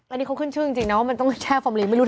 อันนี้เค้าขึ้นชื่อจริงนะว่ามันต้องใช้ไม่รู้ทำอะไรเหมือนกัน